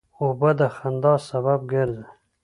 اوبه د خندا سبب ګرځي.